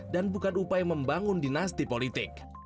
dan bukan upaya membangun dinasti politik